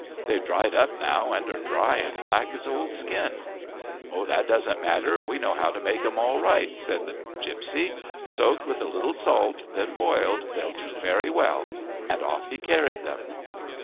They've dried up now, and are dry and black as old skin." "That doesn't matter we know how to make them all right," said the gipsy. "Soaked with a little salt, then boiled, they'll do very well." And off he carried them.